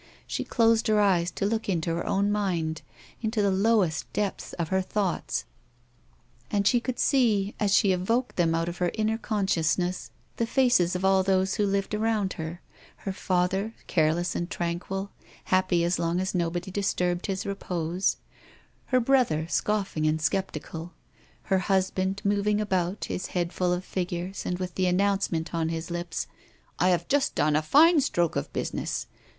She closed her eyes to look into her own mind, into the lowest depths of her thoughts. And she could see, as she evoked them out of her inner consciousness the faces of all those who lived around her her father, careless and tranquil, happy as long as nobody disturbed his repose; her brother, scoffing and sceptical; her husband moving about, his head full of figures, and with the announcement on his lips, "I have just done a fine stroke of business!"